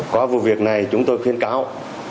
qua vụ việc này chúng tôi khuyên cáo